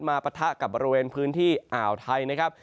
ปะทะกับบริเวณพื้นที่อ่าวไทยนะครับ